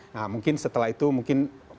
nah mungkin setelah itu mungkin